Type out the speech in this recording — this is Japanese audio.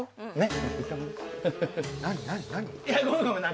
何